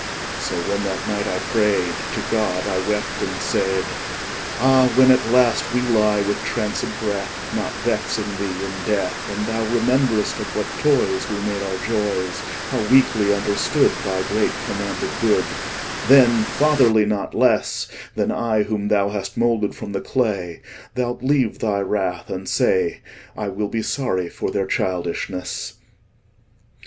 So when that night I pray'd To God, I wept, and said: Ah, when at last we lie with trancèd breath, Not vexing Thee in death, 25 And Thou rememberest of what toys We made our joys, How weakly understood Thy great commanded good, Then, fatherly not less 30 Than I whom Thou hast moulded from the clay, Thou'lt leave Thy wrath, and say, 'I will be sorry for their childishness.